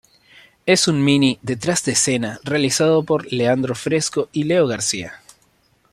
Es un mini "detrás de escena" realizado por Leandro Fresco y Leo García.